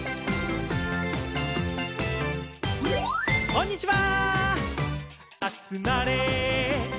こんにちは。